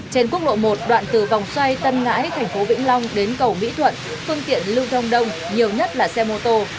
trên quốc lộ một đoạn từ vòng xoay tân ngãi thành phố vĩnh long đến cầu mỹ thuận phương tiện lưu thông đông nhiều nhất là xe mô tô